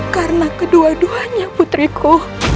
karena kedua duanya putriku